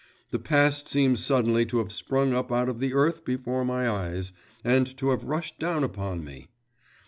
The past seems suddenly to have sprung up out of the earth before my eyes, and to have rushed down upon me.